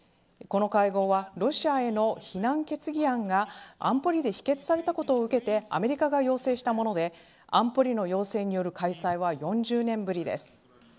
この会合はロシアへの非難決議案が安保理で否決されたことを受けてアメリカが要請したもので安保理の要請による開催は４０年ぶりです。